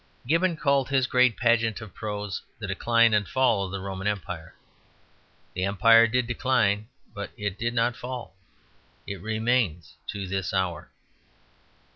Gibbon called his great pageant of prose "The Decline and Fall of the Roman Empire." The Empire did decline, but it did not fall. It remains to this hour.